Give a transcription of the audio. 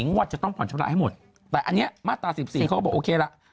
งวดจะต้องผ่อนชำระให้หมดแต่อันนี้มาตรา๑๔เขาก็บอกโอเคละ